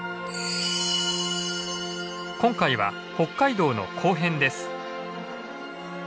今回は北海道の後編です。